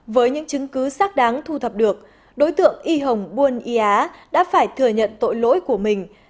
với những chứng cứ xác đáng thu thập được đối tượng y hồng buôn ya đã phải thừa nhận tội lỗi của mình